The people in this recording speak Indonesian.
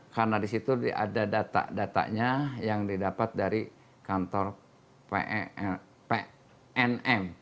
karena di situ ada data datanya yang didapat dari kantor pnm